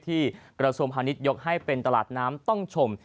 กระทรวงพาณิชยกให้เป็นตลาดน้ำต้องชม